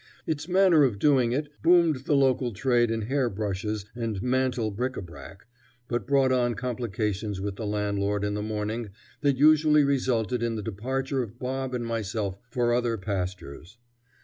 Its manner of doing it boomed the local trade in hair brushes and mantel bric a brac, but brought on complications with the landlord in the morning that usually resulted in the departure of Bob and myself for other pastures.